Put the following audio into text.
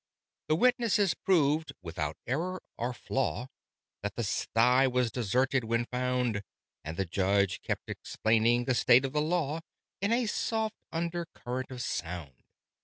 The Witnesses proved, without error or flaw, That the sty was deserted when found: And the Judge kept explaining the state of the law In a soft under current of sound.